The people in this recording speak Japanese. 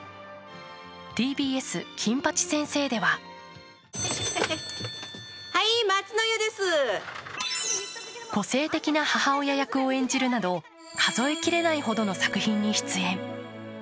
ＴＢＳ「金八先生」では個性的な母親役を演じるなど数えきれないほどの作品に出演。